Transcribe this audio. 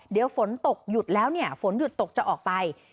เดี๋ยวฝนตกหยุดแล้วเนี่ยฝนหยุดตกจะออกไป